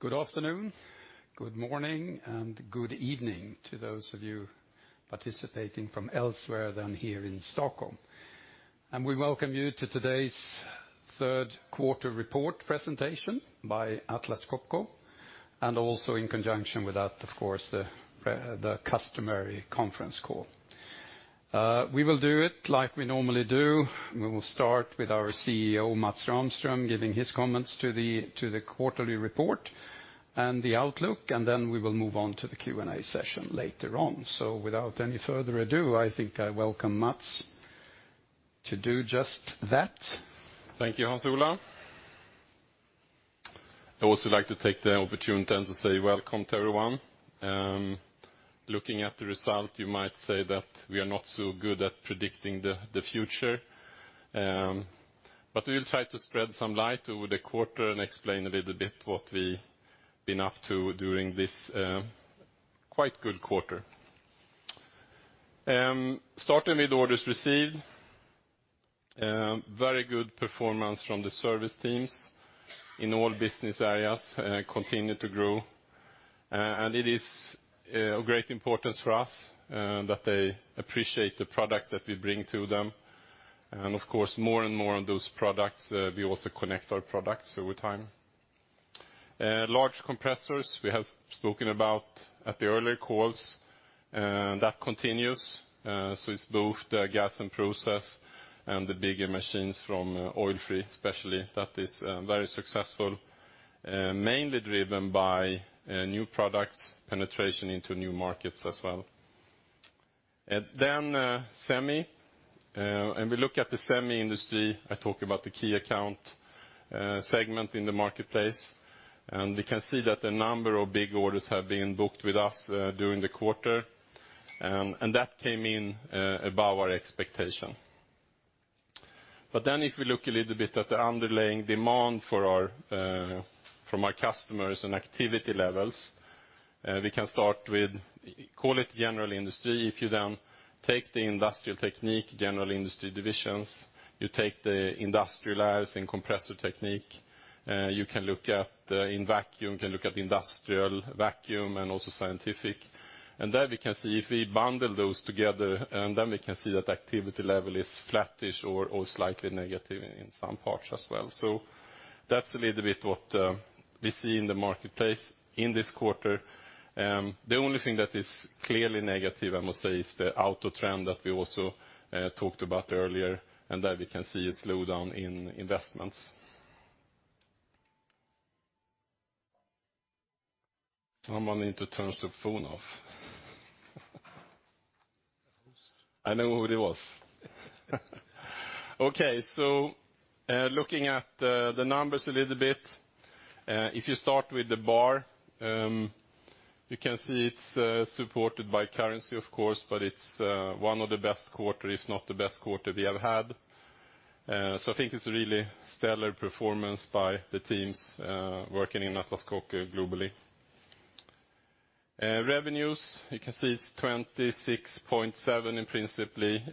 Good afternoon, good morning, and good evening to those of you participating from elsewhere than here in Stockholm. We welcome you to today's third quarter report presentation by Atlas Copco, and also in conjunction with that, of course, the customary conference call. We will do it like we normally do. We will start with our CEO, Mats Rahmström, giving his comments to the quarterly report and the outlook, and then we will move on to the Q&A session later on. Without any further ado, I welcome Mats to do just that. Thank you, Hans Ola. I also like to take the opportunity to say welcome to everyone. Looking at the result, you might say that we are not so good at predicting the future, we will try to spread some light over the quarter and explain a little bit what we've been up to during this quite good quarter. Starting with orders received. Very good performance from the service teams in all Business Areas, continue to grow. It is of great importance for us that they appreciate the products that we bring to them. Of course, more and more of those products, we also connect our products over time. Large compressors, we have spoken about at the earlier calls, that continues. It's both the gas and process, and the bigger machines from oil free especially. That is very successful, mainly driven by new products, penetration into new markets as well. Semi. When we look at the semi industry, I talk about the key account segment in the marketplace, and we can see that a number of big orders have been booked with us during the quarter. That came in above our expectation. If we look a little bit at the underlying demand from our customers and activity levels, we can start with call it general industry. If you then take the Industrial Technique, general industry divisions, you take the industrial labs and Compressor Technique, you can look at in Vacuum Technique, you can look at industrial vacuum and also scientific. There we can see if we bundle those together, then we can see that activity level is flattish or slightly negative in some parts as well. That's a little bit what we see in the marketplace in this quarter. The only thing that is clearly negative, I must say, is the auto trend that we also talked about earlier, and there we can see a slowdown in investments. Someone need to turn their phone off. I know who it was. Looking at the numbers a little bit. If you start with the BA, you can see it's supported by currency, of course, but it's one of the best quarter, if not the best quarter we have had. I think it's a really stellar performance by the teams working in Atlas Copco globally. Revenues, you can see it's 26.7 in principally,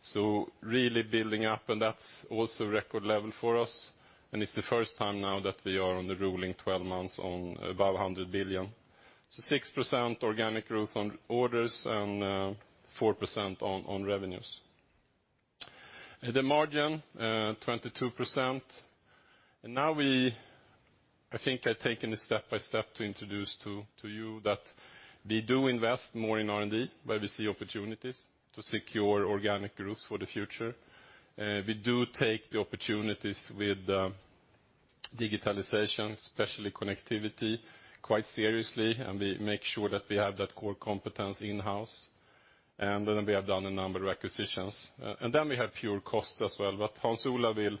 so really building up, and that's also record level for us, and it's the first time now that we are on the ruling 12 months on above 100 billion. 6% organic growth on orders and 4% on revenues. The margin, 22%. Now I think I've taken it step by step to introduce to you that we do invest more in R&D where we see opportunities to secure organic growth for the future. We do take the opportunities with digitalization, especially connectivity, quite seriously, and we make sure that we have that core competence in-house. We have done a number of acquisitions. We have pure cost as well, but Hans Ola will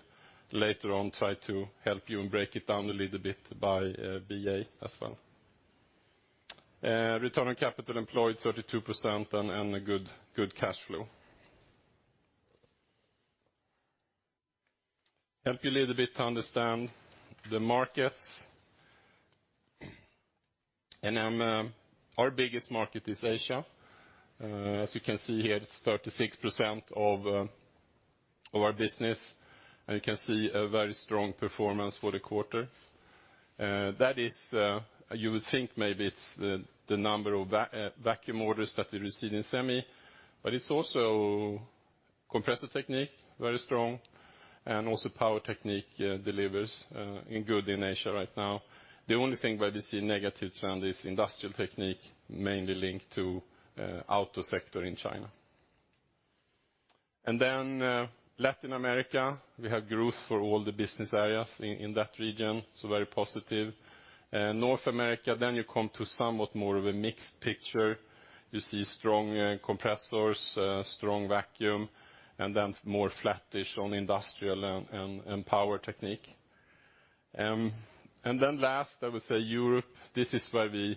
later on try to help you and break it down a little bit by BA as well. Return on capital employed, 32%, and a good cash flow. Help you a little bit to understand the markets. Our biggest market is Asia. As you can see here, it's 36% of our business. You can see a very strong performance for the quarter. That is, you would think maybe it's the number of vacuum orders that we received in semi, but it's also Compressor Technique, very strong, and also Power Technique delivers good in Asia right now. The only thing where we see a negative trend is Industrial Technique, mainly linked to auto sector in China. Latin America, we have growth for all the business areas in that region, so very positive. North America, you come to somewhat more of a mixed picture. You see strong compressors, strong vacuum, and then more flattish on Industrial and Power Technique. Last, I would say Europe. This is where we,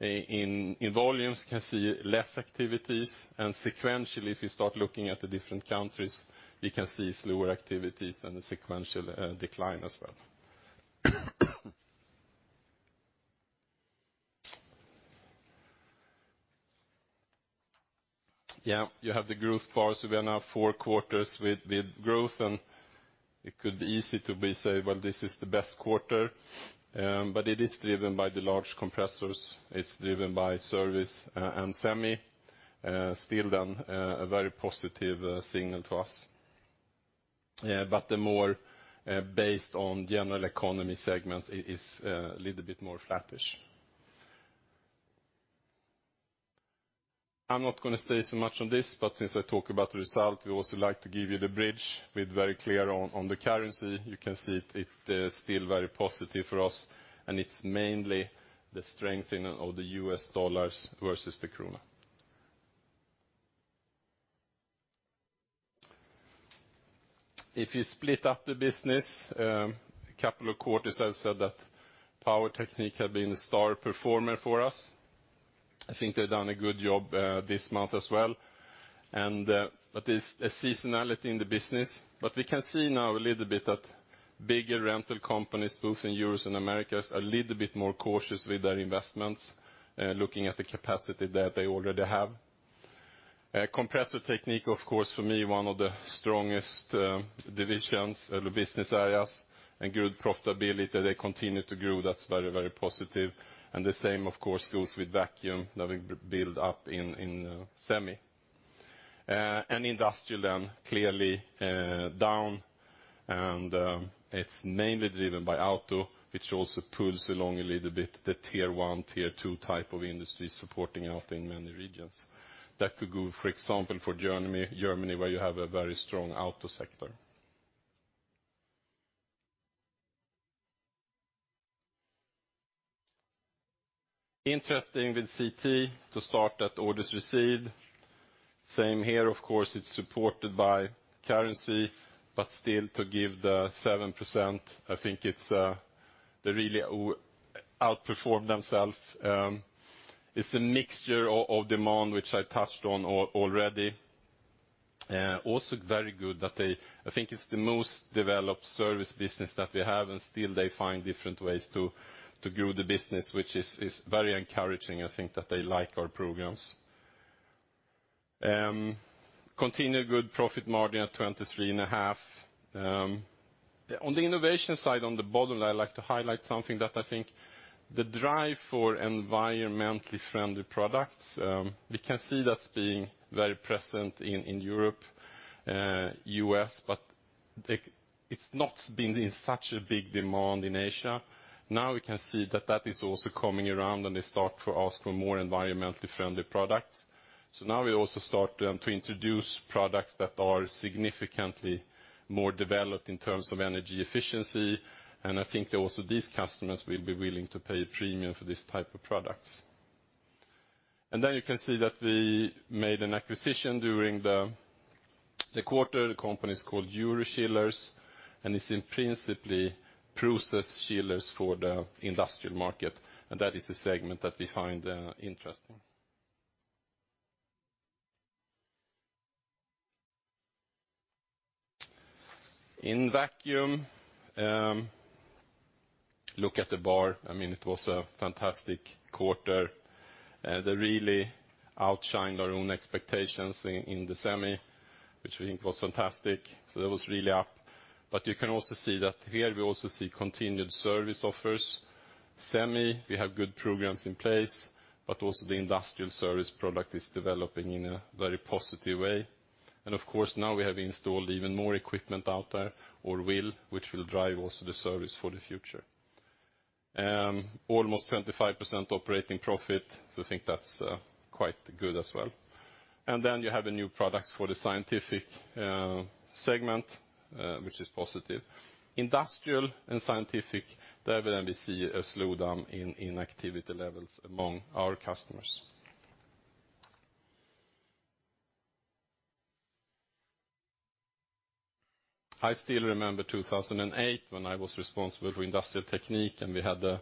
in volumes, can see less activities, and sequentially, if you start looking at the different countries, we can see slower activities and a sequential decline as well. Yeah, you have the growth parts. We are now four quarters with growth, and it could be easy to say, well, this is the best quarter, but it is driven by the large compressors. It's driven by service and semi. Then, a very positive signal to us. The more based-on-general-economy segments is a little bit more flattish. I'm not going to stay so much on this, but since I talk about the result, we also like to give you the bridge with very clear on the currency. You can see it is still very positive for us, and it's mainly the strengthening of the US dollars versus the krona. If you split up the business, a couple of quarters I've said that Power Technique has been the star performer for us. I think they've done a good job this month as well, but there's a seasonality in the business. We can see now a little bit that bigger rental companies, both in Europe and Americas, are little bit more cautious with their investments, looking at the capacity that they already have. Compressor Technique, of course, for me, one of the strongest divisions or business areas and good profitability. They continue to grow. That's very, very positive, and the same, of course, goes with Vacuum, now we build up in semi. Industrial, then, clearly down, and it's mainly driven by auto, which also pulls along a little bit the tier 1, tier 2 type of industry supporting out in many regions. That could go, for example, for Germany, where you have a very strong auto sector. Interesting with CT to start at orders received. Same here, of course, it's supported by currency, still to give the 7%, I think it's really outperformed themselves. It's a mixture of demand, which I touched on already. Also very good that I think it's the most developed service business that we have, still they find different ways to grow the business, which is very encouraging. I think that they like our programs. Continued good profit margin at 23.5%. On the innovation side, on the bottom, I like to highlight something that I think the drive for environmentally friendly products, we can see that's being very present in Europe, U.S., it's not been in such a big demand in Asia. Now we can see that that is also coming around, they start to ask for more environmentally friendly products. Now we also start to introduce products that are significantly more developed in terms of energy efficiency, I think also these customers will be willing to pay a premium for these type of products. You can see that we made an acquisition during the quarter. The company is called Eurochiller, it's in principally process chillers for the industrial market, that is a segment that we find interesting. In vacuum, look at the bar. I mean, it was a fantastic quarter. They really outshined our own expectations in the semi, which we think was fantastic. That was really up. You can also see that here we also see continued service offers. Semi, we have good programs in place, also the industrial service product is developing in a very positive way. Of course, now we have installed even more equipment out there or will, which will drive also the service for the future. Almost 25% operating profit, I think that's quite good as well. Then you have the new products for the scientific segment, which is positive. Industrial and scientific, there we see a slowdown in activity levels among our customers. I still remember 2008 when I was responsible for Industrial Technique, we had the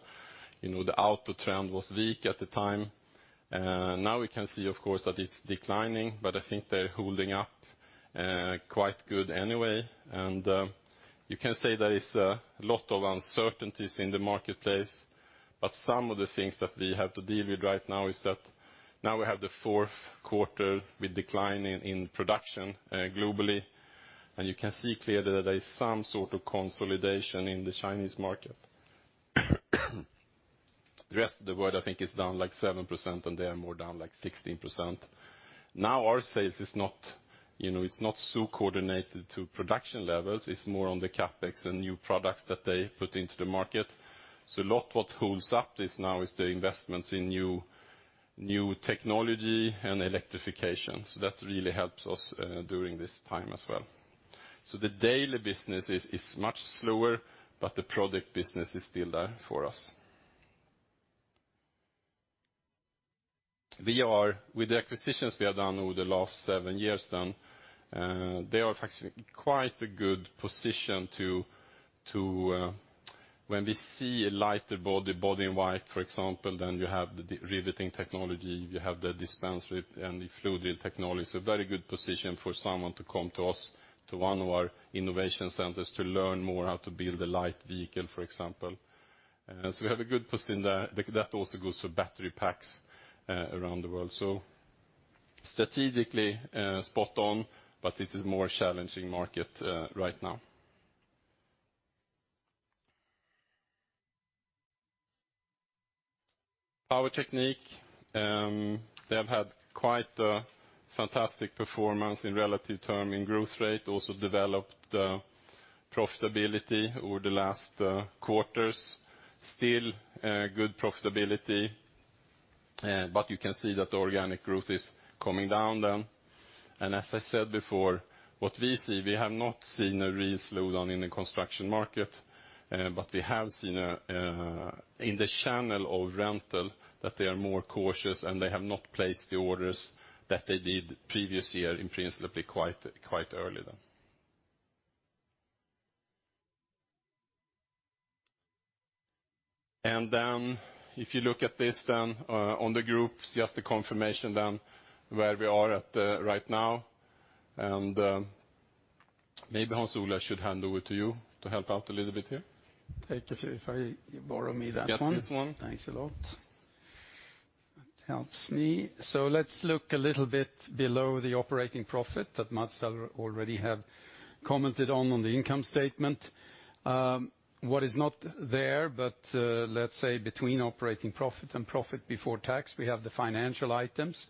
auto trend was weak at the time. Now we can see, of course, that it's declining, I think they're holding up quite good anyway. You can say there is a lot of uncertainties in the marketplace, but some of the things that we have to deal with right now is that now we have the fourth quarter with decline in production globally, and you can see clearly that there is some sort of consolidation in the Chinese market. The rest of the world, I think, is down like 7%, and they are more down like 16%. Our sales it's not so coordinated to production levels. It's more on the CapEx and new products that they put into the market. A lot what holds up this now is the investments in new technology and electrification. That really helps us during this time as well. The daily business is much slower, but the product business is still there for us. With the acquisitions we have done over the last seven years, then, they are actually quite a good position. When we see a lighter body in white, for example, then you have the riveting technology, you have the dispensing and the fluid technology. Very good position for someone to come to us, to one of our innovation centers to learn more how to build a light vehicle, for example. We have a good position there. That also goes for battery packs around the world. Strategically, spot on, but it is a more challenging market right now. Power Technique, they have had quite a fantastic performance in relative term in growth rate, also developed profitability over the last quarters. Still good profitability, but you can see that the organic growth is coming down then. As I said before, what we see, we have not seen a real slowdown in the construction market, but we have seen in the channel of rental that they are more cautious, and they have not placed the orders that they did previous year, in principle, quite early then. If you look at this then, on the groups, just the confirmation then where we are at right now, and maybe Hans Ola, I should hand over to you to help out a little bit here. Take a few borrow me that one. Got this one. Thanks a lot. That helps me. Let's look a little bit below the operating profit that Mats already have commented on the income statement. What is not there, but let's say between operating profit and profit before tax, we have the financial items.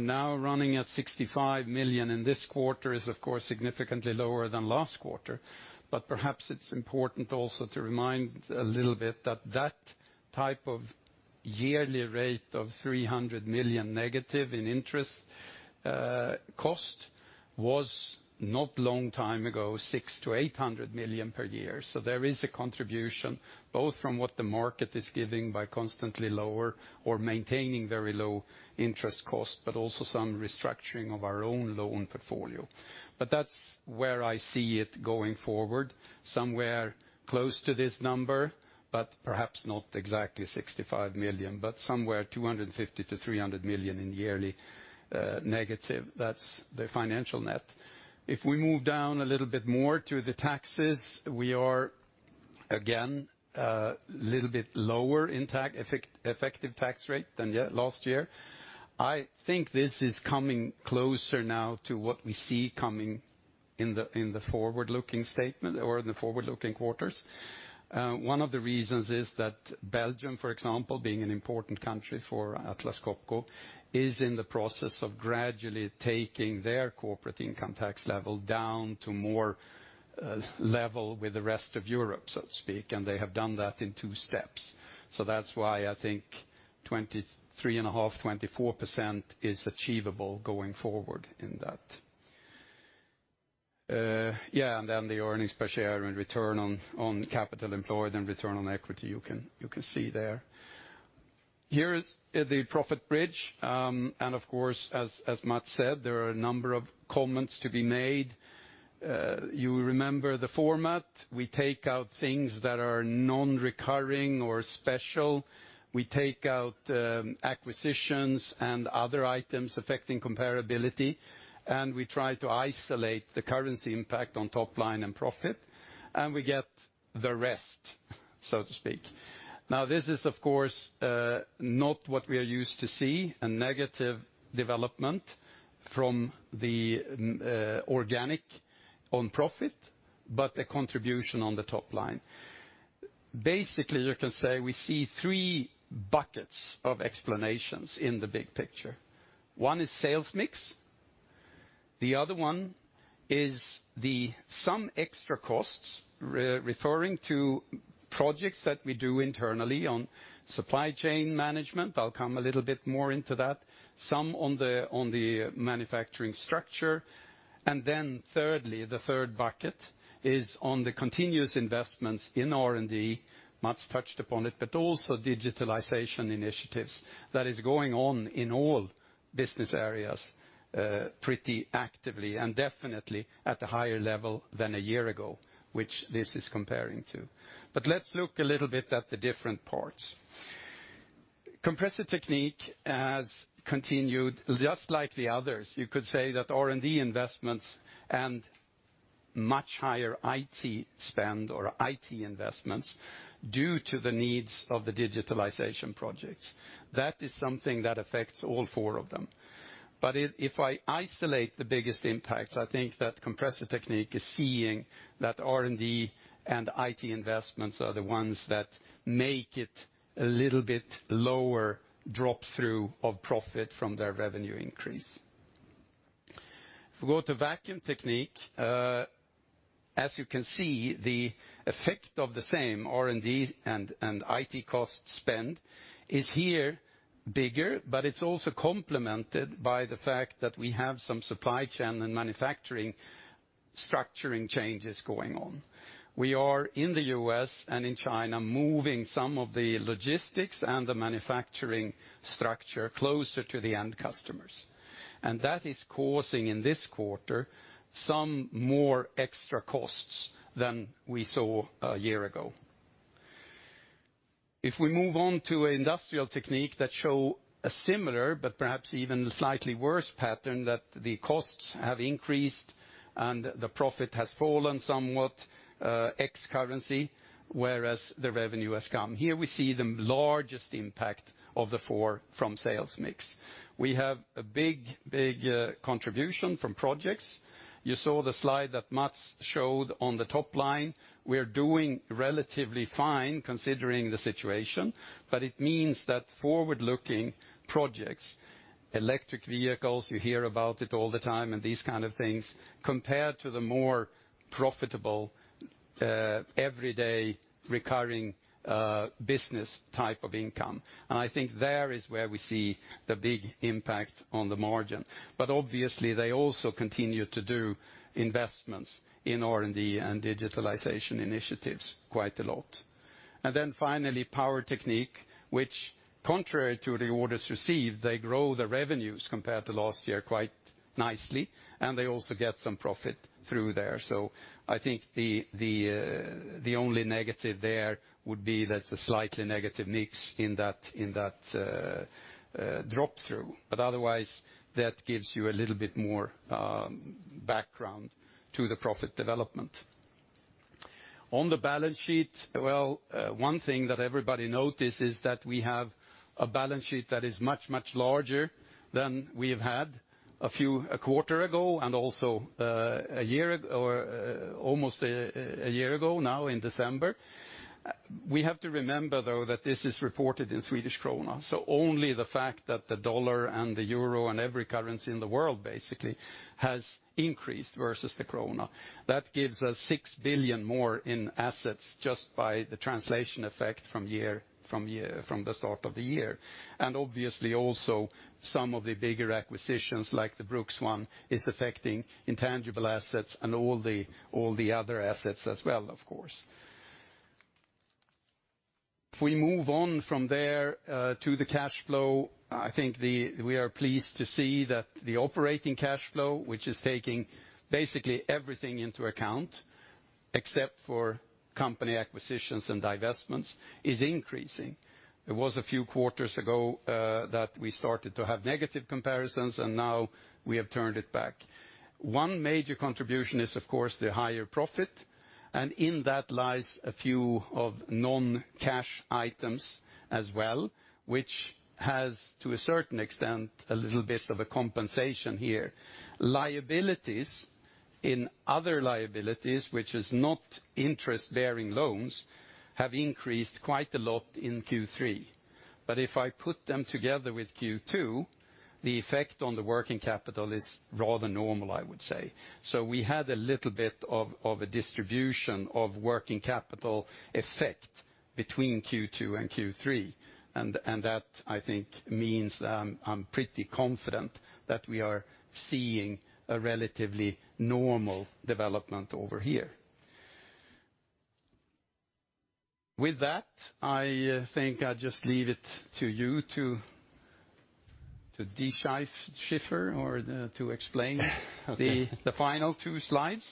Now running at 65 million in this quarter is, of course, significantly lower than last quarter. Perhaps it's important also to remind a little bit that type of yearly rate of 300 million negative in interest cost was not long time ago, 600 million-800 million per year. There is a contribution both from what the market is giving by constantly lower or maintaining very low interest cost, but also some restructuring of our own loan portfolio. That's where I see it going forward, somewhere close to this number, perhaps not exactly 65 million, but somewhere 250 million-300 million in yearly negative. That's the financial net. We move down a little bit more to the taxes, we are again, a little bit lower effective tax rate than last year. I think this is coming closer now to what we see coming in the forward-looking statement or in the forward-looking quarters. One of the reasons is that Belgium, for example, being an important country for Atlas Copco, is in the process of gradually taking their corporate income tax level down to more level with the rest of Europe, so to speak, and they have done that in two steps. That's why I think 23.5%, 24% is achievable going forward in that. Yeah, then the earnings per share and return on capital employed and return on equity, you can see there. Here is the profit bridge, of course, as Mats said, there are a number of comments to be made. You remember the format. We take out things that are non-recurring or special. We take out acquisitions and other items affecting comparability, we try to isolate the currency impact on top line and profit, we get the rest, so to speak. This is, of course, not what we are used to see, a negative development from the organic on profit, a contribution on the top line. Basically, you can say we see 3 buckets of explanations in the big picture. One is sales mix. The other one is some extra costs referring to projects that we do internally on supply chain management. I'll come a little bit more into that. Some on the manufacturing structure. Thirdly, the third bucket is on the continuous investments in R&D. Mats touched upon it, but also digitalization initiatives that is going on in all business areas pretty actively and definitely at a higher level than a year ago, which this is comparing to. Let's look a little bit at the different parts. Compressor Technique has continued just like the others. You could say that R&D investments and much higher IT spend or IT investments due to the needs of the digitalization projects, that is something that affects all four of them. If I isolate the biggest impacts, I think that Compressor Technique is seeing that R&D and IT investments are the ones that make it a little bit lower drop through of profit from their revenue increase. If you go to Vacuum Technique, as you can see, the effect of the same R&D and IT cost spend is here bigger, but it's also complemented by the fact that we have some supply chain and manufacturing structuring changes going on. We are in the U.S. and in China moving some of the logistics and the manufacturing structure closer to the end customers. That is causing, in this quarter, some more extra costs than we saw a year ago. If we move on to Industrial Technique that show a similar, but perhaps even slightly worse pattern, that the costs have increased and the profit has fallen somewhat ex-currency, whereas the revenue has come. Here we see the largest impact of the four from sales mix. We have a big contribution from projects. You saw the slide that Mats showed on the top line. We are doing relatively fine considering the situation, but it means that forward-looking projects, electric vehicles, you hear about it all the time, and these kind of things, compared to the more profitable everyday recurring business type of income. I think there is where we see the big impact on the margin. Obviously they also continue to do investments in R&D and digitalization initiatives quite a lot. Finally, Power Technique, which contrary to the orders received, they grow their revenues compared to last year quite nicely, and they also get some profit through there. I think the only negative there would be that's a slightly negative mix in that drop through. Otherwise, that gives you a little bit more background to the profit development. On the balance sheet, one thing that everybody noticed is that we have a balance sheet that is much, much larger than we have had a quarter ago, and also almost a year ago now in December. We have to remember though that this is reported in Swedish krona. Only the fact that the dollar and the euro and every currency in the world basically, has increased versus the krona. That gives us 6 billion more in assets just by the translation effect from the start of the year. Obviously also some of the bigger acquisitions like the Brooks one is affecting intangible assets and all the other assets as well, of course. We move on from there to the cash flow, I think we are pleased to see that the operating cash flow, which is taking basically everything into account, except for company acquisitions and divestments, is increasing. It was a few quarters ago that we started to have negative comparisons, now we have turned it back. One major contribution is of course the higher profit, in that lies a few non-cash items as well, which has, to a certain extent, a little bit of a compensation here. Liabilities in other liabilities, which is not interest-bearing loans, have increased quite a lot in Q3. If I put them together with Q2, the effect on the working capital is rather normal, I would say. We had a little bit of a distribution of working capital effect between Q2 and Q3, and that I think means that I'm pretty confident that we are seeing a relatively normal development over here. With that, I think I'll just leave it to you to decipher or to explain the final two slides.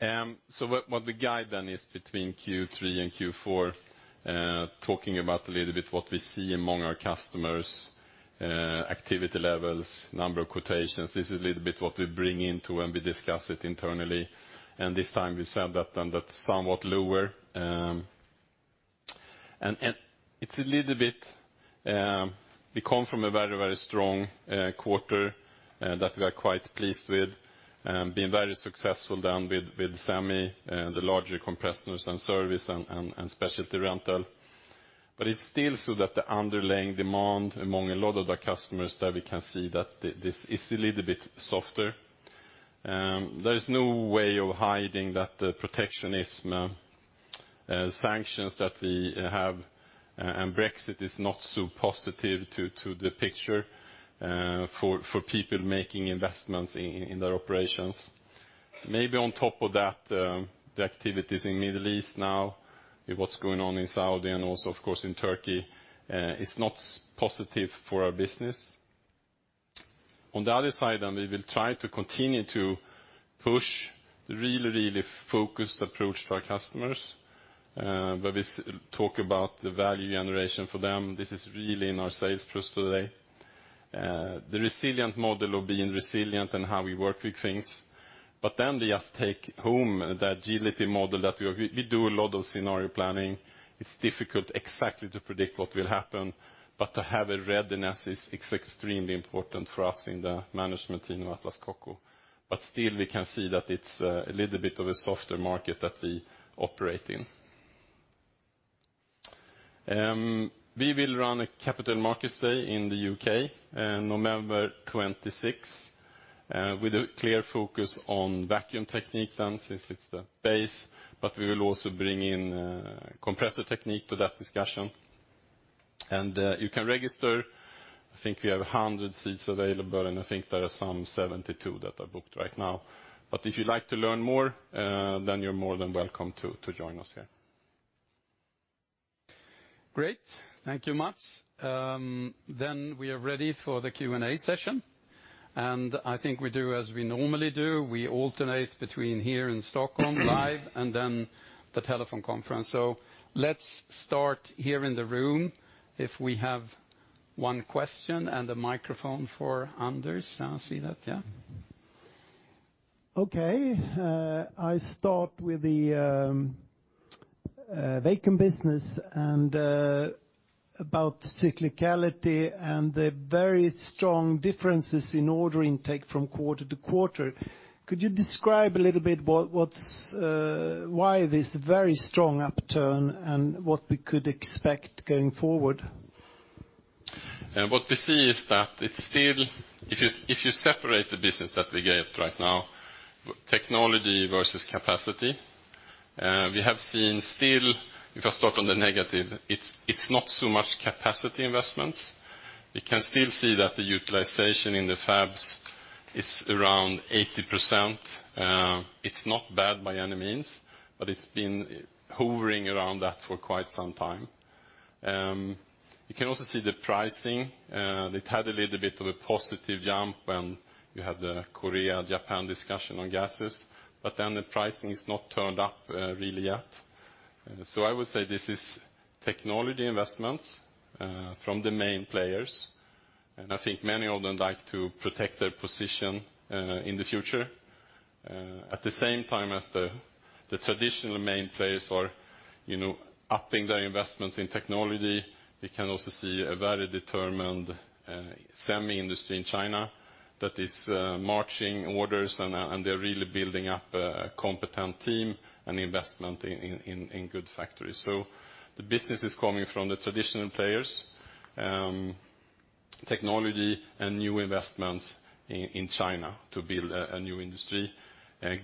What the guide is between Q3 and Q4, talking about a little bit what we see among our customers, activity levels, number of quotations. This is a little bit what we bring into when we discuss it internally, and this time we said that's somewhat lower. We come from a very strong quarter that we are quite pleased with, being very successful then with semi, the larger compressors and service and specialty rental. It's still so that the underlying demand among a lot of our customers that we can see that this is a little bit softer. There is no way of hiding that the protectionist sanctions that we have, and Brexit is not so positive to the picture for people making investments in their operations. Maybe on top of that, the activities in Middle East now, with what's going on in Saudi and also of course in Turkey, is not positive for our business. On the other side, we will try to continue to push really focused approach to our customers, where we talk about the value generation for them. This is really in our sales thrust today. The resilient model of being resilient and how we work with things. We just take home the agility model that we do a lot of scenario planning. It's difficult exactly to predict what will happen, but to have a readiness is extremely important for us in the management team of Atlas Copco. Still we can see that it's a little bit of a softer market that we operate in. We will run a capital markets day in the U.K., November 26, with a clear focus on Vacuum Technique then, since it's the base, but we will also bring in Compressor Technique to that discussion. You can register, I think we have 100 seats available, and I think there are some 72 that are booked right now. If you'd like to learn more, then you're more than welcome to join us here. Great. Thank you, Mats. We are ready for the Q&A session. I think we do as we normally do, we alternate between here and Stockholm live, and then the telephone conference. Let's start here in the room. If we have one question and a microphone for Anders, I see that, yeah. Okay. I start with the vacuum business and about cyclicality and the very strong differences in order intake from quarter to quarter. Could you describe a little bit why this very strong upturn and what we could expect going forward? What we see is that it's still, if you separate the business that we gave right now, technology versus capacity, we have seen still, if I start on the negative, it's not so much capacity investments. We can still see that the utilization in the fabs is around 80%. It's not bad by any means, but it's been hovering around that for quite some time. You can also see the pricing. It had a little bit of a positive jump when we had the Korea, Japan discussion on gases, but then the pricing is not turned up really yet. I would say this is technology investments from the main players, and I think many of them like to protect their position in the future. At the same time as the traditional main players are upping their investments in technology, we can also see a very determined semi industry in China that is marching orders. They're really building up a competent team and investment in good factories. The business is coming from the traditional players, technology and new investments in China to build a new industry.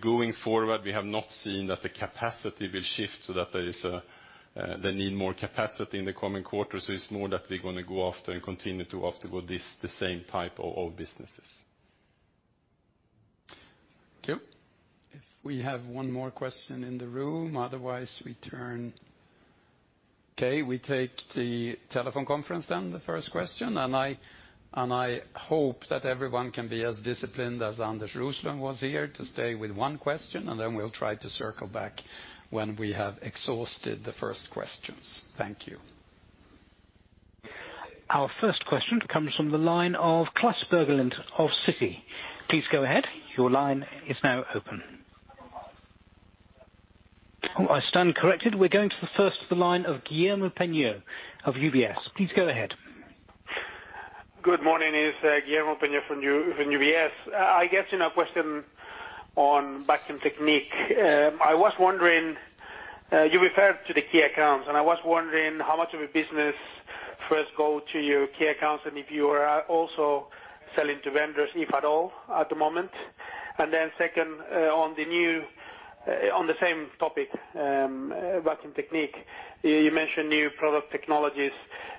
Going forward, we have not seen that the capacity will shift so that they need more capacity in the coming quarters. It's more that we're going to go after and continue to go after the same type of businesses. Thank you. If we have one more question in the room, otherwise we turn. Okay, we take the telephone conference then, the first question. I hope that everyone can be as disciplined as Anders Roslund was here to stay with one question. Then we'll try to circle back when we have exhausted the first questions. Thank you. Our first question comes from the line of Klas Bergelind of Citi. Please go ahead, your line is now open. Oh, I stand corrected. We're going to first the line of Guillermo Pena of UBS. Please go ahead. Good morning. It's Guillermo Peigneux from UBS. I guess a question on Vacuum Technique. I was wondering, you referred to the key accounts, and I was wondering how much of a business first go to your key accounts, and if you are also selling to vendors, if at all at the moment. Then second, on the same topic, Vacuum Technique. You mentioned new product technologies,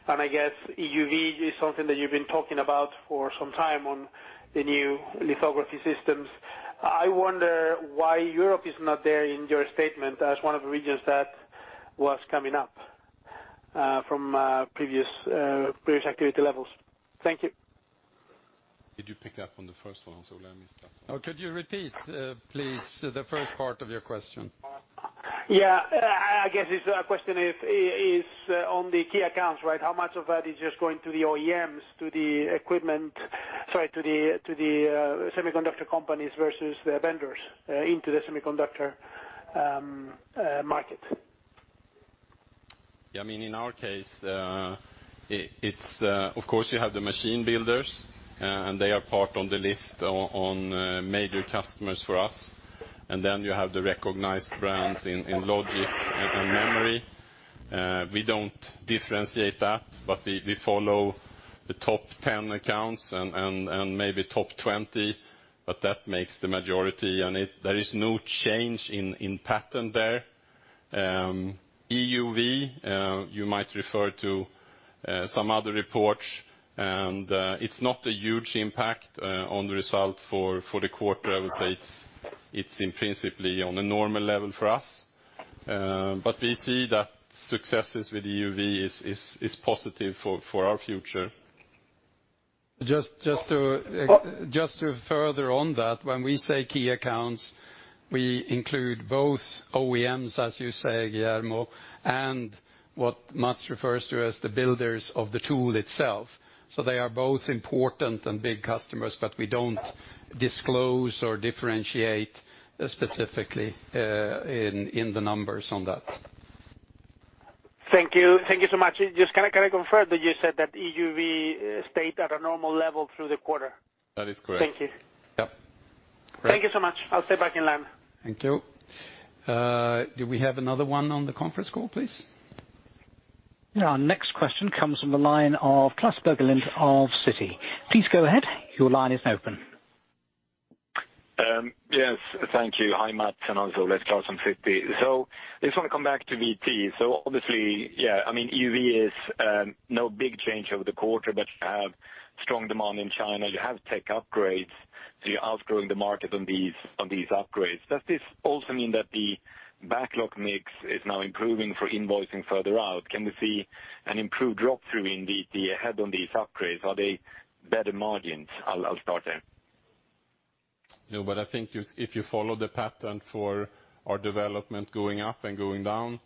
and I guess EUV is something that you've been talking about for some time on the new lithography systems. I wonder why Europe is not there in your statement as one of the regions that was coming up from previous activity levels. Thank you. Did you pick up on the first one? Let me start. Oh, could you repeat, please, the first part of your question? Yeah. I guess this question is on the key accounts, right? How much of that is just going to the OEMs, to the semiconductor companies versus the vendors into the semiconductor market? Yeah, in our case, of course you have the machine builders, and they are part on the list on major customers for us, and then you have the recognized brands in logic and memory. We don't differentiate that, but we follow the top 10 accounts and maybe top 20, but that makes the majority, and there is no change in pattern there. EUV, you might refer to some other reports, and it's not a huge impact on the result for the quarter. I would say it's principally on a normal level for us. We see that successes with EUV is positive for our future. Just to further on that, when we say key accounts, we include both OEMs, as you say, Guillermo, and what Mats refers to as the builders of the tool itself. They are both important and big customers, but we don't disclose or differentiate specifically in the numbers on that. Thank you so much. Just can I confirm that you said that EUV stayed at a normal level through the quarter? That is correct. Thank you. Yep. Great. Thank you so much. I'll stay back in line. Thank you. Do we have another one on the conference call, please? Our next question comes from the line of Klas Bergelind of Citi. Please go ahead. Your line is open. Yes. Thank you. Hi, Mats, and also Klas Bergelind, Citi. Just want to come back to VT. Obviously, EUV is no big change over the quarter, but you have strong demand in China, you have tech upgrades. You're outgrowing the market on these upgrades. Does this also mean that the backlog mix is now improving for invoicing further out? Can we see an improved drop-through in the ahead on these upgrades? Are they better margins? I'll start there. No, I think if you follow the pattern for our development going up and going down,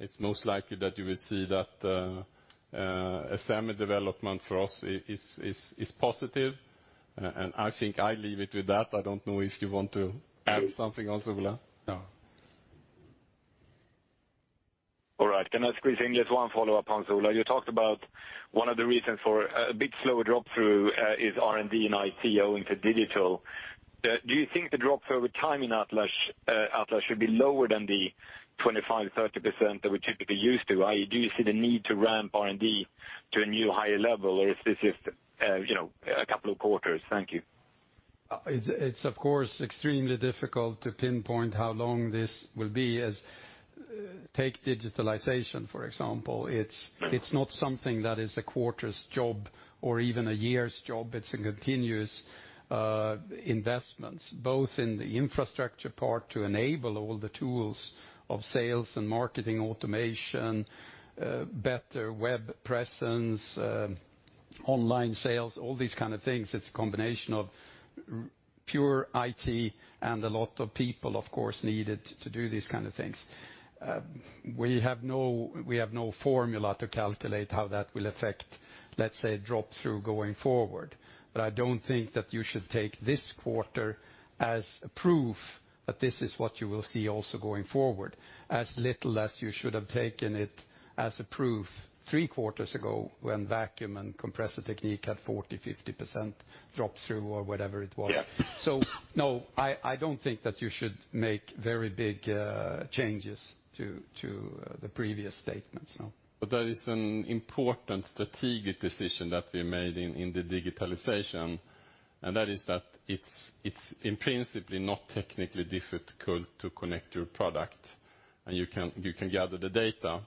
it's most likely that you will see that a semi development for us is positive, and I think I leave it with that. I don't know if you want to add something else, Ola. No. All right. Can I squeeze in just one follow-up on, Ola, you talked about one of the reasons for a bit slower drop-through is R&D and IT owing to digital. Do you think the drop-through over time in Atlas should be lower than the 25%-30% that we're typically used to? I.e., do you see the need to ramp R&D to a new higher level, or is this just a couple of quarters? Thank you. It's, of course, extremely difficult to pinpoint how long this will be, as take digitalization, for example. It's not something that is a quarter's job or even a year's job. It's a continuous investment, both in the infrastructure part to enable all the tools of sales and marketing automation, better web presence, online sales, all these kind of things. It's a combination of pure IT and a lot of people, of course, needed to do these kind of things. We have no formula to calculate how that will affect, let's say, drop-through going forward. I don't think that you should take this quarter as proof that this is what you will see also going forward, as little as you should have taken it as a proof three quarters ago when Vacuum Technique and Compressor Technique had 40%, 50% drop-through or whatever it was. Yeah. No, I don't think that you should make very big changes to the previous statements, no. That is an important strategic decision that we made in the digitalization, and that is that it's in principle not technically difficult to connect your product, and you can gather the data.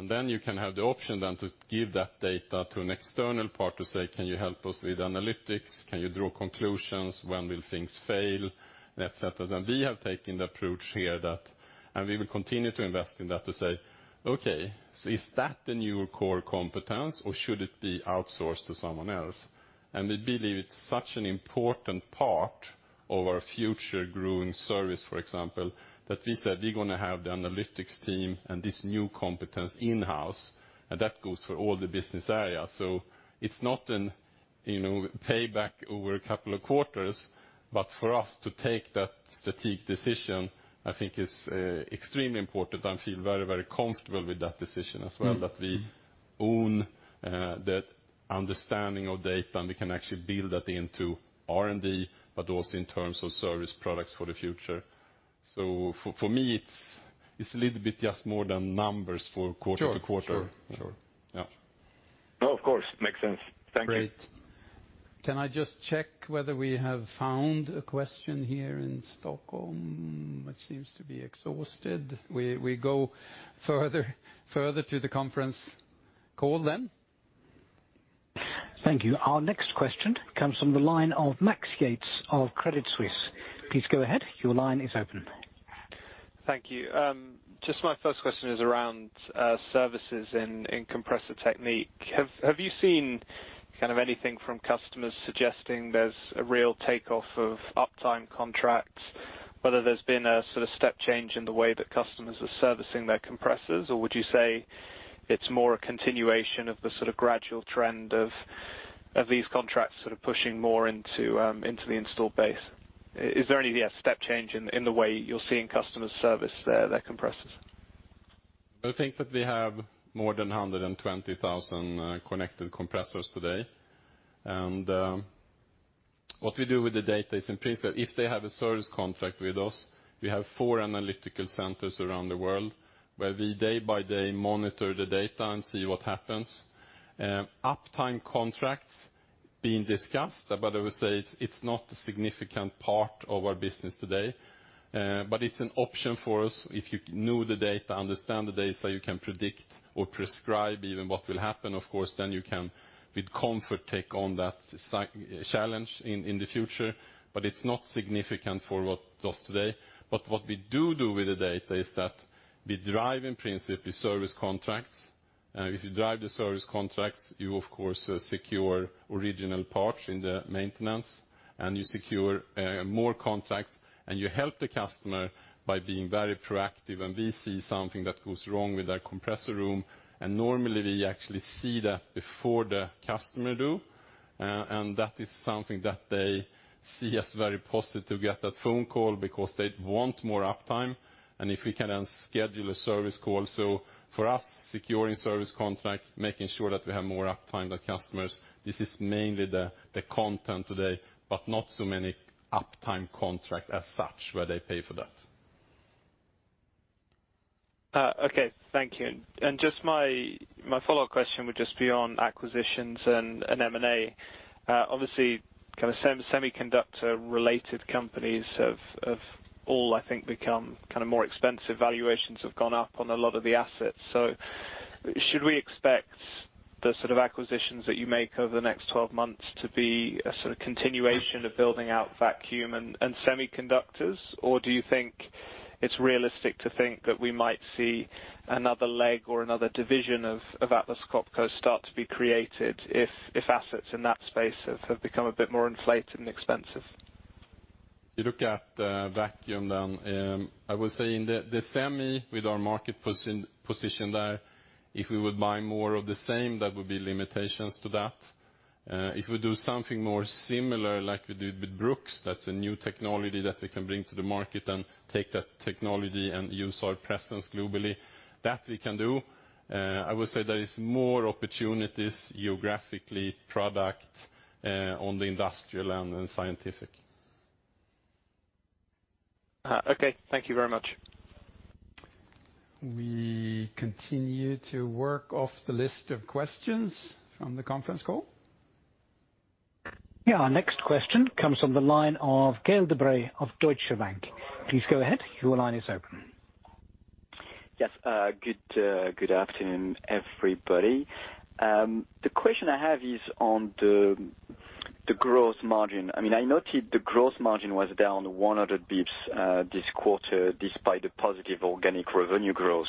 Then you can have the option then to give that data to an external party, say, "Can you help us with analytics? Can you draw conclusions? When will things fail?" et cetera. We have taken the approach here that, and we will continue to invest in that to say, "Okay, so is that the new core competence, or should it be outsourced to someone else?" We believe it's such an important part of our future growing service, for example, that we said we're going to have the analytics team and this new competence in-house, and that goes for all the business areas. It's not in payback over a couple of quarters, but for us to take that strategic decision, I think, is extremely important. I feel very, very comfortable with that decision as well, that we own the understanding of data, and we can actually build that into R&D, but also in terms of service products for the future. For me, it's a little bit just more than numbers for quarter to quarter. Sure. Yeah. No, of course. Makes sense. Thank you. Great. Can I just check whether we have found a question here in Stockholm? It seems to be exhausted. We go further to the conference call then. Thank you. Our next question comes from the line of Max Yates of Credit Suisse. Please go ahead. Your line is open. Thank you. Just my first question is around services in Compressor Technique. Have you seen anything from customers suggesting there's a real takeoff of uptime contracts, whether there's been a step change in the way that customers are servicing their compressors? Would you say it's more a continuation of the gradual trend of these contracts pushing more into the installed base? Is there any step change in the way you're seeing customers service their compressors? I think that we have more than 120,000 connected compressors today. What we do with the data is, in principle, if they have a service contract with us, we have four analytical centers around the world where we, day by day, monitor the data and see what happens. Uptime contracts being discussed, I would say it's not a significant part of our business today. It's an option for us. If you know the data, understand the data, you can predict or prescribe even what will happen, of course, then you can with comfort take on that challenge in the future. It's not significant for us today. What we do with the data is that we drive, in principle, service contracts. If you drive the service contracts, you of course, secure original parts in the maintenance, and you secure more contracts, and you help the customer by being very proactive, and we see something that goes wrong with that compressor room. Normally, we actually see that before the customer do, and that is something that they see as very positive, get that phone call because they want more uptime, and if we can then schedule a service call. For us, securing service contract, making sure that we have more uptime than customers, this is mainly the content today, but not so many uptime contracts as such where they pay for that. Okay. Thank you. Just my follow-up question would just be on acquisitions and M&A. Obviously, semiconductor-related companies have all, I think, become more expensive. Valuations have gone up on a lot of the assets. Should we expect the sort of acquisitions that you make over the next 12 months to be a continuation of building out vacuum and semiconductors, or do you think it's realistic to think that we might see another leg or another division of Atlas Copco start to be created if assets in that space have become a bit more inflated and expensive? You look at vacuum, I will say in the semi, with our market position there, if we would buy more of the same, there would be limitations to that. If we do something more similar like we did with Brooks, that's a new technology that we can bring to the market and take that technology and use our presence globally, that we can do. I would say there is more opportunities geographically product, on the Industrial and scientific. Okay. Thank you very much. We continue to work off the list of questions from the conference call. Yeah. Our next question comes from the line of Gael de-Bray of Deutsche Bank. Please go ahead. Your line is open. Yes. Good afternoon, everybody. The question I have is on the gross margin. I noted the gross margin was down 100 basis points this quarter, despite the positive organic revenue growth.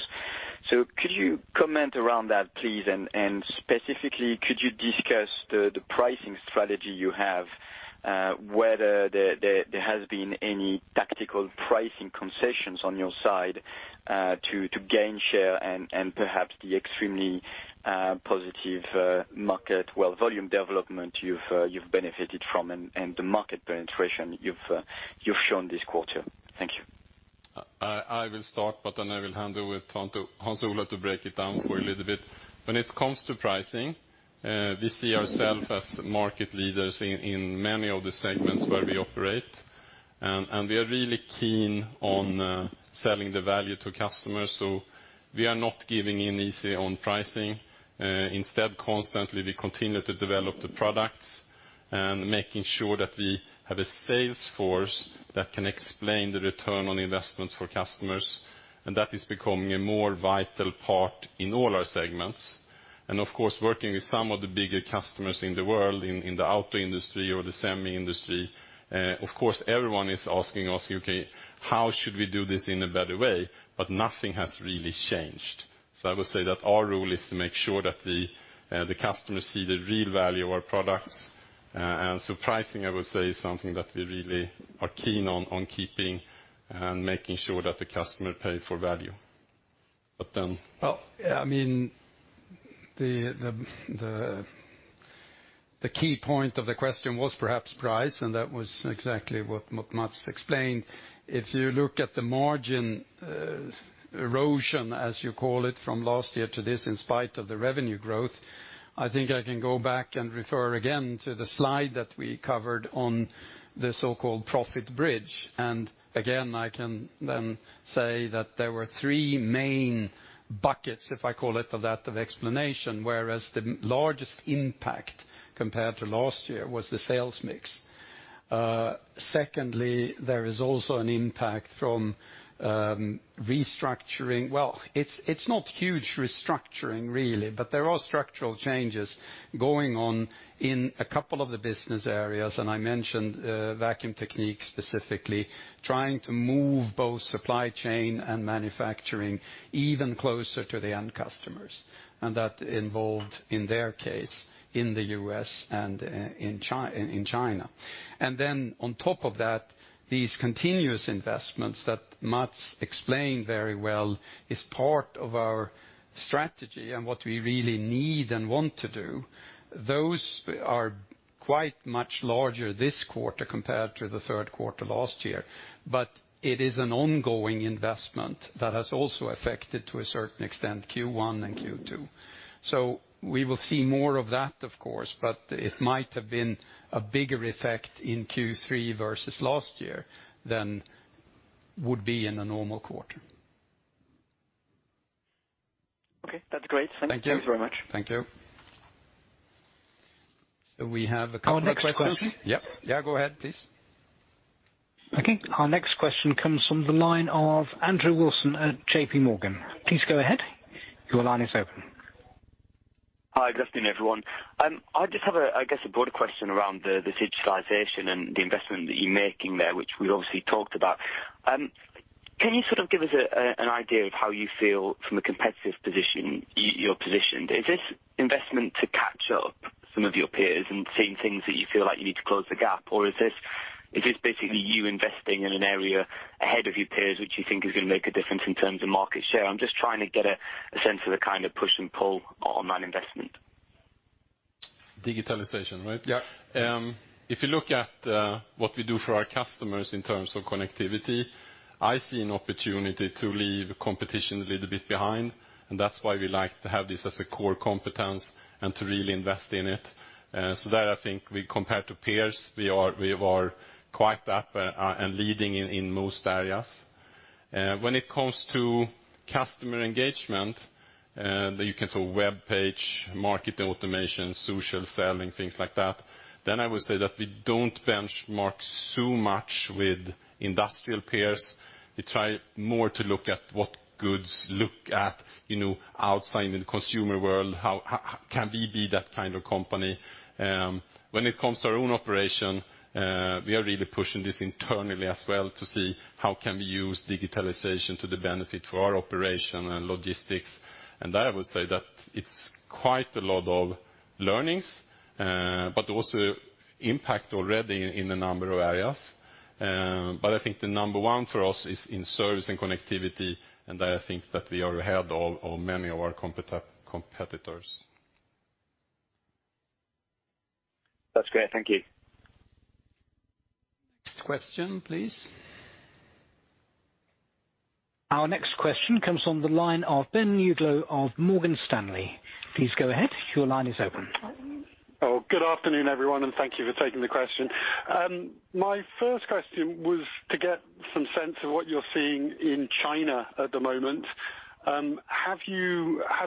Could you comment around that, please, and specifically could you discuss the pricing strategy you have, whether there has been any tactical pricing concessions on your side to gain share and perhaps the extremely positive market, well, volume development you've benefited from and the market penetration you've shown this quarter? Thank you. I will start, but then I will hand over to Hans Ola to break it down for a little bit. When it comes to pricing, we see ourself as market leaders in many of the segments where we operate, and we are really keen on selling the value to customers, so we are not giving in easy on pricing. Instead, constantly, we continue to develop the products and making sure that we have a sales force that can explain the return on investments for customers, and that is becoming a more vital part in all our segments. Of course, working with some of the bigger customers in the world, in the auto industry or the semi industry, of course, everyone is asking us, "Okay, how should we do this in a better way?" Nothing has really changed. I would say that our role is to make sure that the customers see the real value of our products. Pricing, I would say, is something that we really are keen on keeping and making sure that the customer pay for value. Well, the key point of the question was perhaps price. That was exactly what Mats explained. If you look at the margin erosion, as you call it, from last year to this, in spite of the revenue growth, I think I can go back and refer again to the slide that we covered on the so-called profit bridge. Again, I can say that there were three main buckets, if I call it that, of explanation, whereas the largest impact compared to last year was the sales mix. Secondly, there is also an impact from restructuring. Well, it's not huge restructuring, really. There are structural changes going on in a couple of the business areas. I mentioned Vacuum Technique specifically, trying to move both supply chain and manufacturing even closer to the end customers. That involved, in their case, in the U.S. and in China. On top of that, these continuous investments that Mats explained very well is part of our strategy and what we really need and want to do. Those are quite much larger this quarter compared to the third quarter last year. It is an ongoing investment that has also affected, to a certain extent, Q1 and Q2. We will see more of that, of course, but it might have been a bigger effect in Q3 versus last year than would be in a normal quarter. Okay. That's great. Thank you. Thanks very much. Thank you. We have a couple of questions. Our next question Yep. Yeah, go ahead, please. Okay. Our next question comes from the line of Andrew Wilson at JPMorgan. Please go ahead. Your line is open. Hi. Good afternoon, everyone. I just have a broader question around the digitalization and the investment that you're making there, which we obviously talked about. Can you give us an idea of how you feel, from a competitive position, you're positioned? Is this investment to catch up some of your peers and seeing things that you feel like you need to close the gap, or is this basically you investing in an area ahead of your peers, which you think is going to make a difference in terms of market share? I'm just trying to get a sense of the kind of push and pull on that investment. Digitalization, right? Yeah. If you look at what we do for our customers in terms of connectivity, I see an opportunity to leave competition a little bit behind, and that's why we like to have this as a core competence and to really invest in it. There, I think we compare to peers, we are quite up and leading in most areas. When it comes to customer engagement, you can tell webpage, market automation, social selling, things like that, then I would say that we don't benchmark so much with industrial peers. We try more to look at what goods look at outside in the consumer world, how can we be that kind of company. When it comes to our own operation, we are really pushing this internally as well to see how can we use digitalization to the benefit for our operation and logistics. There I would say that it's quite a lot of learnings, but also impact already in a number of areas. I think the number 1 for us is in service and connectivity. There I think that we are ahead of many of our competitors. That's great. Thank you. Next question, please. Our next question comes on the line of Ben Uglow of Morgan Stanley. Please go ahead. Your line is open. Good afternoon, everyone, thank you for taking the question. My first question was to get some sense of what you're seeing in China at the moment. Have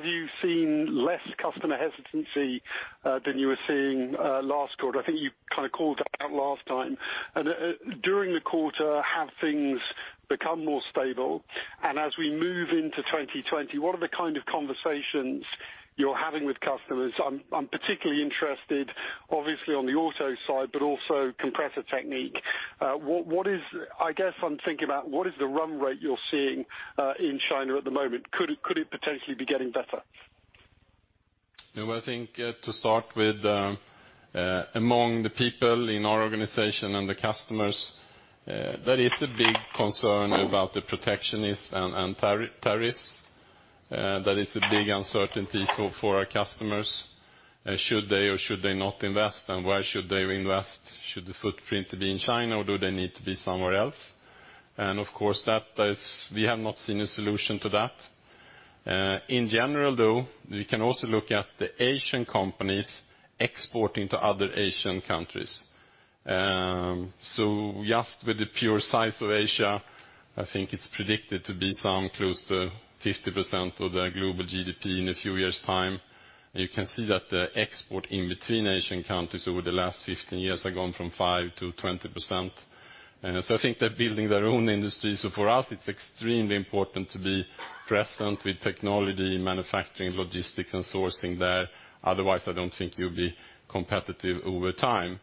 you seen less customer hesitancy than you were seeing last quarter? I think you kind of called it out last time. During the quarter, have things become more stable? As we move into 2020, what are the kind of conversations you're having with customers? I'm particularly interested obviously on the auto side, but also Compressor Technique. I guess I'm thinking about what is the run rate you're seeing in China at the moment? Could it potentially be getting better? No, I think to start with, among the people in our organization and the customers, there is a big concern about the protectionists and tariffs. That is a big uncertainty for our customers. Should they or should they not invest, and where should they invest? Should the footprint be in China, or do they need to be somewhere else? Of course, we have not seen a solution to that. In general, though, we can also look at the Asian companies exporting to other Asian countries. Just with the pure size of Asia, I think it's predicted to be close to 50% of the global GDP in a few years' time. You can see that the export in between Asian countries over the last 15 years have gone from 5%-20%. I think they're building their own industry. For us, it's extremely important to be present with technology, manufacturing, logistics, and sourcing there. Otherwise, I don't think you'll be competitive over time.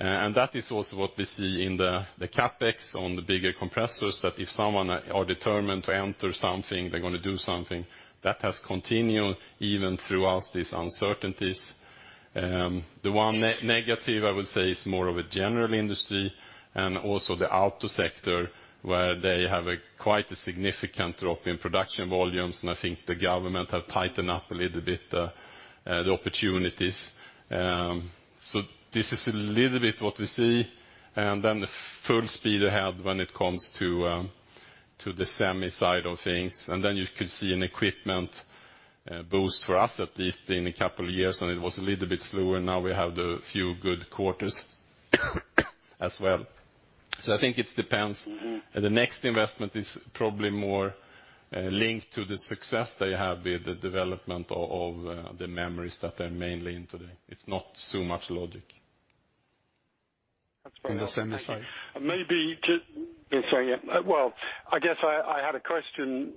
That is also what we see in the CapEx on the bigger compressors, that if someone are determined to enter something, they're going to do something. That has continued even throughout these uncertainties. The one negative I would say is more of a general industry and also the auto sector, where they have quite a significant drop in production volumes, and I think the government have tightened up a little bit, the opportunities. This is a little bit what we see, and then the full speed ahead when it comes to the semi side of things. You could see an equipment boost for us, at least in a couple of years, and it was a little bit slower. We have the few good quarters as well. I think it depends. The next investment is probably more linked to the success they have with the development of the memories that they're mainly in today. It's not so much logic. That's fair enough on the semi side. I guess I had a question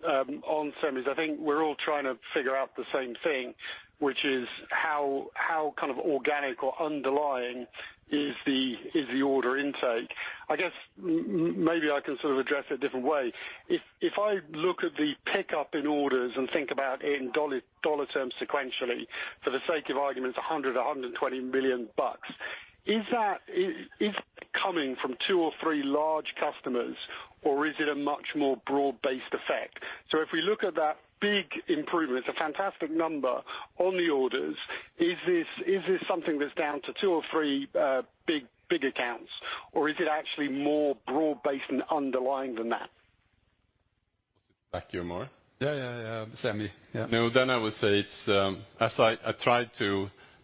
on semi. I think we're all trying to figure out the same thing, which is how kind of organic or underlying is the order intake. I guess maybe I can sort of address it a different way. If I look at the pickup in orders and think about it in USD terms sequentially, for the sake of argument, it's $100 million, $120 million. Is that coming from two or three large customers, or is it a much more broad-based effect? If we look at that big improvement, it's a fantastic number on the orders. Is this something that's down to two or three big accounts, or is it actually more broad based and underlying than that? Back to you, Meyer? Yeah. Semi. I would say it's, as I tried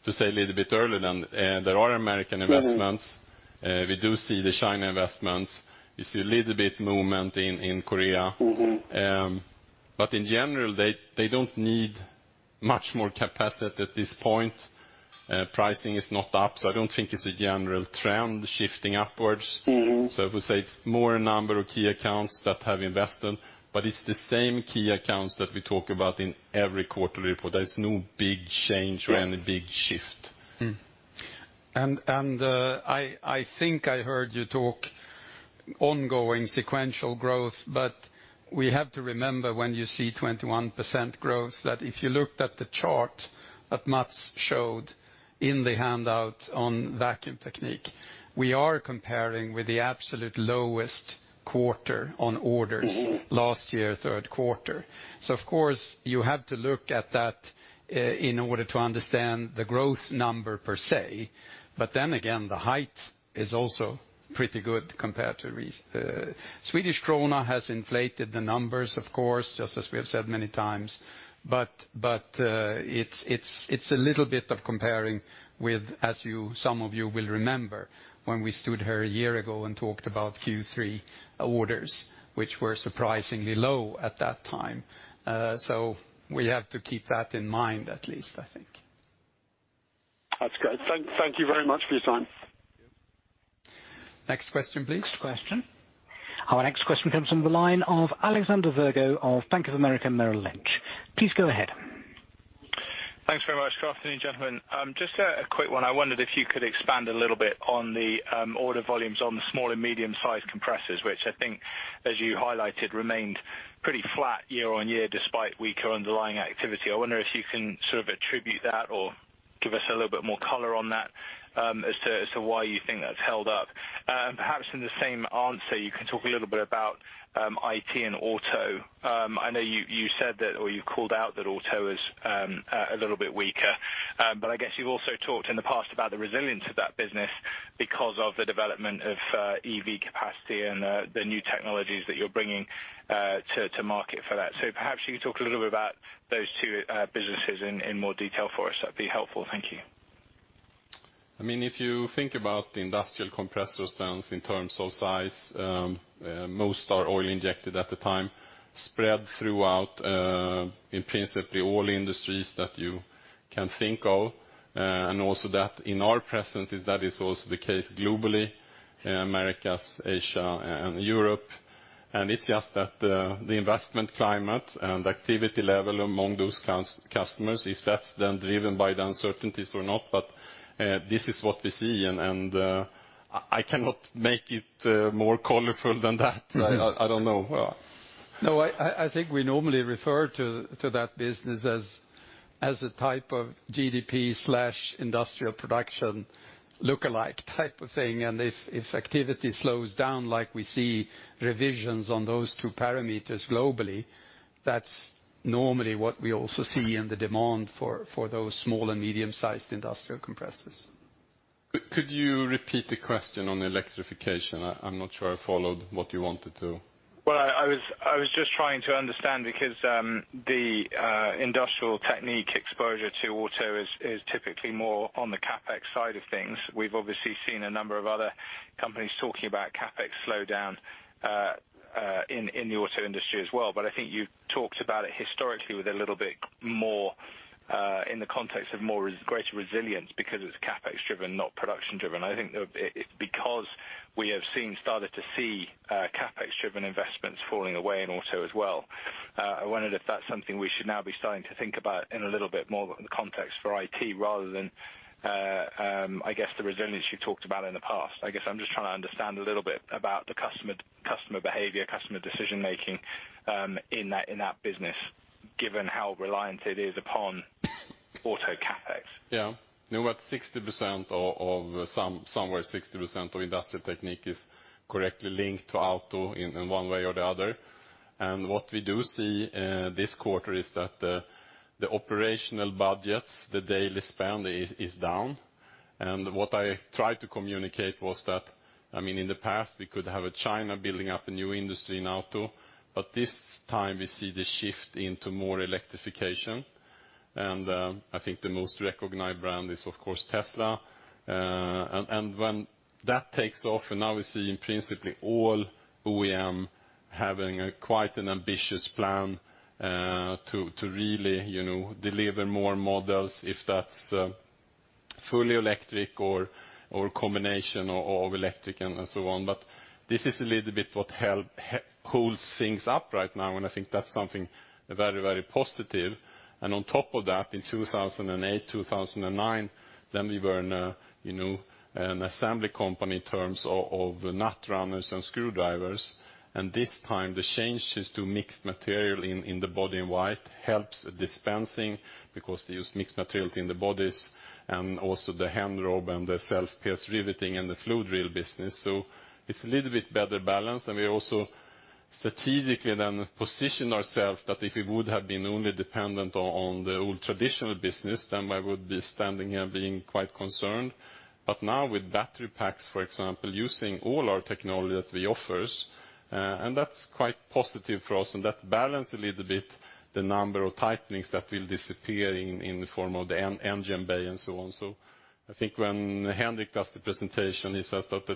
to say a little bit earlier, there are American investments. We do see the China investments. We see a little bit movement in Korea. In general, they don't need much more capacity at this point. Pricing is not up, so I don't think it's a general trend shifting upwards. I would say it's more a number of key accounts that have invested, but it's the same key accounts that we talk about in every quarterly report. There is no big change or any big shift. I think I heard you talk ongoing sequential growth, but we have to remember when you see 21% growth, that if you looked at the chart that Mats showed in the handout on Vacuum Technique, we are comparing with the absolute lowest quarter on orders... last year, third quarter. Of course, you have to look at that in order to understand the growth number per se. The height is also pretty good compared to. Swedish krona has inflated the numbers, of course, just as we have said many times. It's a little bit of comparing with, as some of you will remember, when we stood here a year ago and talked about Q3 orders, which were surprisingly low at that time. We have to keep that in mind at least, I think. That's great. Thank you very much for your time. Next question, please. Next question. Our next question comes from the line of Alexander Virgo of Bank of America Merrill Lynch. Please go ahead. Thanks very much. Good afternoon, gentlemen. Just a quick one. I wondered if you could expand a little bit on the order volumes on the small and medium-sized compressors, which I think, as you highlighted, remained pretty flat year-on-year despite weaker underlying activity. I wonder if you can sort of attribute that or give us a little bit more color on that, as to why you think that's held up. Perhaps in the same answer, you can talk a little bit about IT and auto. I know you said that or you called out that auto is a little bit weaker, I guess you've also talked in the past about the resilience of that business because of the development of EV capacity and the new technologies that you're bringing to market for that. Perhaps you could talk a little bit about those two businesses in more detail for us. That'd be helpful. Thank you. If you think about the industrial compressor stance in terms of size, most are oil injected at the time, spread throughout, in principle, all industries that you can think of, also that in our presence is that is also the case globally in Americas, Asia, and Europe. It's just that the investment climate and activity level among those customers, if that's then driven by the uncertainties or not, but this is what we see, and I cannot make it more colorful than that. Right. I don't know. I think we normally refer to that business as a type of GDP/industrial production lookalike type of thing. If activity slows down like we see revisions on those two parameters globally, that's normally what we also see in the demand for those small and medium-sized industrial compressors. Could you repeat the question on electrification? I'm not sure I followed what you wanted to. Well, I was just trying to understand because the Industrial Technique exposure to auto is typically more on the CapEx side of things. We've obviously seen a number of other companies talking about CapEx slowdown in the auto industry as well, but I think you talked about it historically with a little bit more, in the context of greater resilience because it's CapEx driven, not production driven. I think because we have started to see CapEx-driven investments falling away in auto as well. I wondered if that's something we should now be starting to think about in a little bit more context for IT rather than, I guess the resilience you talked about in the past. I guess I'm just trying to understand a little bit about the customer behavior, customer decision-making, in that business, given how reliant it is upon auto CapEx. Yeah. Somewhere 60% of Industrial Technique is correctly linked to auto in one way or the other. What we do see this quarter is that the operational budgets, the daily spend is down. What I tried to communicate was that, in the past, we could have China building up a new industry in auto, but this time we see the shift into more electrification. I think the most recognized brand is, of course, Tesla. When that takes off, and now we see in principle all OEM having quite an ambitious plan to really deliver more models if that's fully electric or combination of electric and so on. This is a little bit what holds things up right now, and I think that's something very positive. On top of that, in 2008, 2009, then we were an assembly company in terms of nutrunners and screwdrivers. This time the changes to mixed material in the body in white helps dispensing because they use mixed material in the bodies, and also the Henrob and the self-pierce riveting and the flow drill business. It's a little bit better balanced, and we also strategically then position ourself that if it would have been only dependent on the old traditional business, then I would be standing here being quite concerned. Now with battery packs, for example, using all our technology that we offer, and that's quite positive for us, and that balance a little bit the number of tightenings that will disappear in the form of the engine bay and so on. I think when Henrik does the presentation, he says that,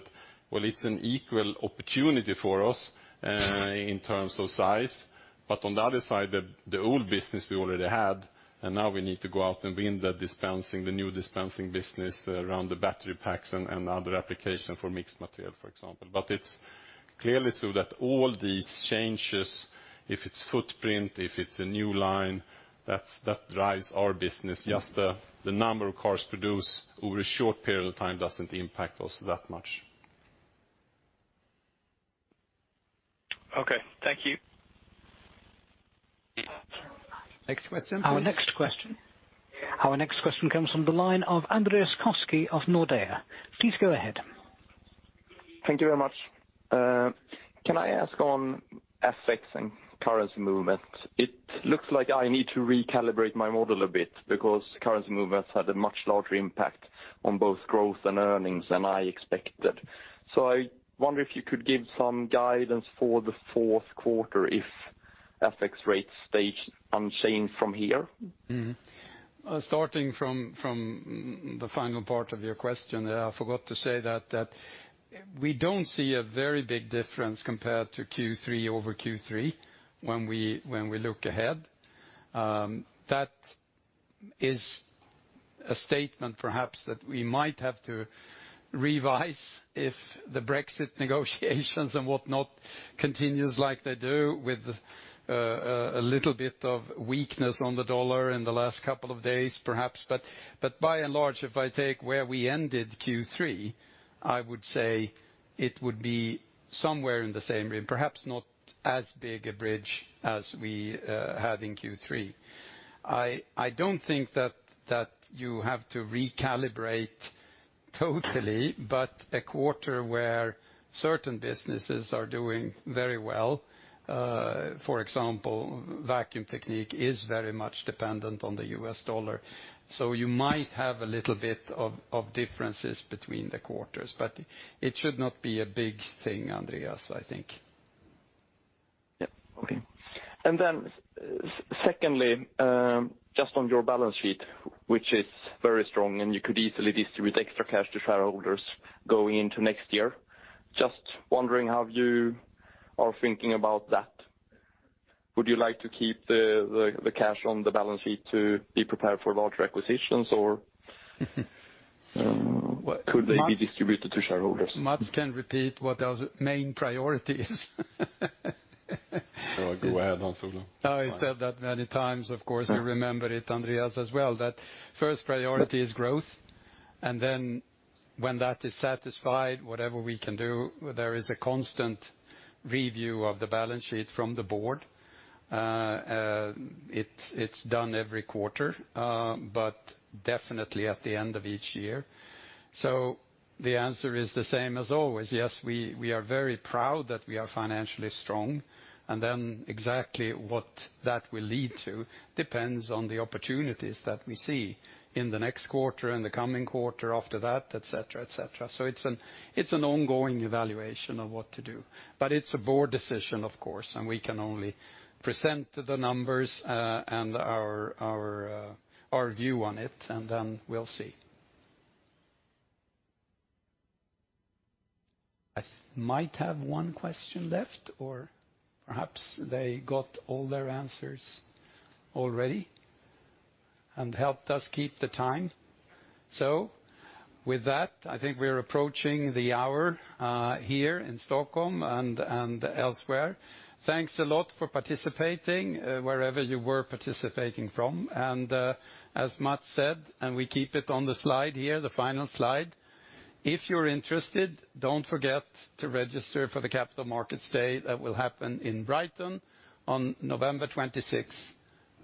"Well, it's an equal opportunity for us in terms of size," but on the other side, the old business we already had, and now we need to go out and win the new dispensing business around the battery packs and other application for mixed material, for example. It's clearly so that all these changes, if it's footprint, if it's a new line, that drives our business. Just the number of cars produced over a short period of time doesn't impact us that much. Okay. Thank you. Next question, please. Our next question. Our next question comes from the line of Andreas Koski of Nordea. Please go ahead. Thank you very much. Can I ask on FX and currency movements? It looks like I need to recalibrate my model a bit because currency movements had a much larger impact on both growth and earnings than I expected. I wonder if you could give some guidance for the fourth quarter if FX rates stay unchanged from here? Starting from the final part of your question, I forgot to say that we don't see a very big difference compared to Q3 over Q3 when we look ahead. That is a statement perhaps that we might have to revise if the Brexit negotiations and whatnot continues like they do with a little bit of weakness on the dollar in the last couple of days, perhaps. By and large, if I take where we ended Q3, I would say it would be somewhere in the same realm. Perhaps not as big a bridge as we had in Q3. I don't think that you have to recalibrate totally, but a quarter where certain businesses are doing very well. For example, Vacuum Technique is very much dependent on the US dollar, so you might have a little bit of differences between the quarters, but it should not be a big thing, Andreas, I think. Yep. Okay. Then secondly, just on your balance sheet, which is very strong, and you could easily distribute extra cash to shareholders going into next year, just wondering how you are thinking about that. Would you like to keep the cash on the balance sheet to be prepared for large acquisitions, or could they be distributed to shareholders? Mats can repeat what our main priority is. Go ahead, Hans Ola. I said that many times, of course, you remember it, Andreas, as well, that first priority is growth. Then when that is satisfied, whatever we can do, there is a constant review of the balance sheet from the board. It's done every quarter but definitely at the end of each year. The answer is the same as always. Yes, we are very proud that we are financially strong. Then exactly what that will lead to depends on the opportunities that we see in the next quarter and the coming quarter after that, et cetera. It's an ongoing evaluation of what to do. It's a board decision, of course. We can only present the numbers and our view on it. Then we'll see. I might have one question left, or perhaps they got all their answers already and helped us keep the time. With that, I think we're approaching the hour here in Stockholm and elsewhere. Thanks a lot for participating wherever you were participating from. As Mats said, we keep it on the slide here, the final slide. If you're interested, don't forget to register for the Capital Markets Day that will happen in Brighton on November 26,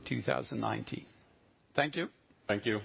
2019. Thank you. Thank you.